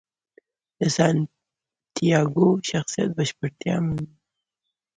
د سانتیاګو شخصیت بشپړتیا مومي.